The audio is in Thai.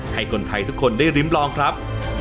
ให้คนไทยทุกคนได้ริมลองครับ